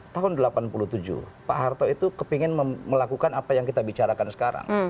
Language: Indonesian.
tahun seribu sembilan ratus delapan puluh tujuh pak harto itu kepingin melakukan apa yang kita bicarakan sekarang